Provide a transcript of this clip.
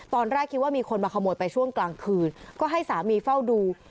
ตอนแรกคิดว่ามีคนมาขโมยไปช่วงกลางคืนก็ให้สามีเฝ้าดู